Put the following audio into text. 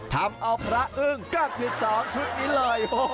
ทำเอาพระอึ้งกับชุดสองชุดนี้เลย